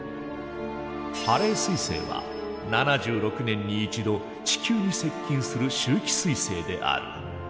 ハレー彗星は７６年に一度地球に接近する周期彗星である。